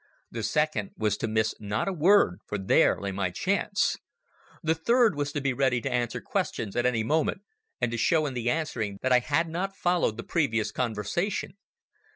The second was to miss not a word, for there lay my chance. The third was to be ready to answer questions at any moment, and to show in the answering that I had not followed the previous conversation.